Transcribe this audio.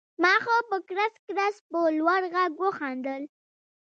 ما ښه په کړس کړس په لوړ غږ وخندل